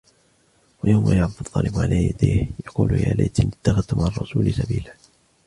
ويوم يعض الظالم على يديه يقول يا ليتني اتخذت مع الرسول سبيلا